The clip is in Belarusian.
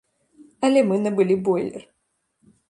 Але мы набылі бойлер.